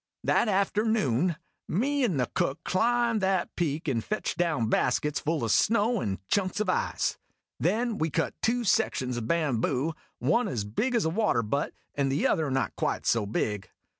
That afternoon me and the Cook climbed that peak and fetched down baskets full of snow and chunks of ice. Then we cut two sections of bamboo one as big as a water butt and the other not quite so big.